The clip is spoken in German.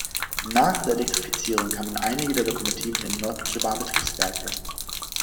Nach der Elektrifizierung kamen einige der Lokomotiven in norddeutsche Bahnbetriebswerke.